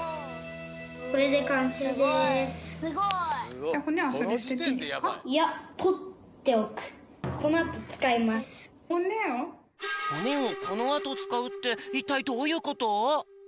これでいやほねをこのあとつかうっていったいどういうこと？